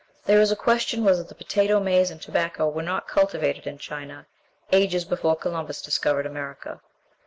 There is a question whether the potato, maize, and tobacco were not cultivated in China ages before Columbus discovered America.